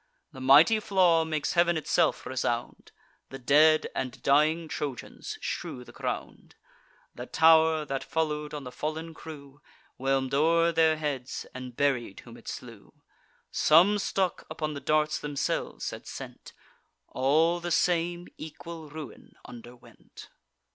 The mighty flaw makes heav'n itself resound: The dead and dying Trojans strew the ground. The tow'r, that follow'd on the fallen crew, Whelm'd o'er their heads, and buried whom it slew: Some stuck upon the darts themselves had sent; All the same equal ruin underwent.